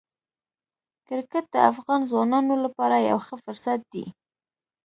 کرکټ د افغان ځوانانو لپاره یو ښه فرصت دی.